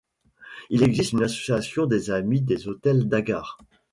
Il existe une association des amis des hôtel d'Agar.